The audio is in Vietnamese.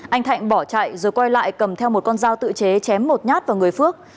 anh thạnh bỏ chạy rồi quay lại cầm theo một con dao tự chế chém một nhát vào người phước